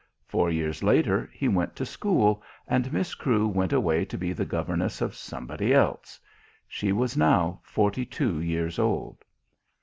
Four years later he went to school and Miss Crewe went away to be the governess of somebody else. She was now forty two years old.